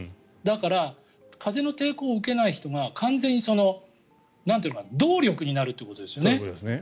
だから、風の抵抗を受けない人が完全に動力になるということですよね